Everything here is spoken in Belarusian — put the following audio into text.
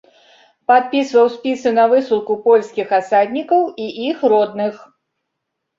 Падпісваў спісы на высылку польскіх асаднікаў і іх родных.